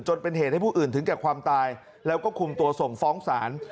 จนเป็นเหตุให้ผู้อื่นถึงแก่ความตายแล้วก็คุมตัวส่งฟ้องศาล